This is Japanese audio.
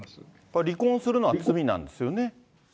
これ離婚するのは罪なんですよね。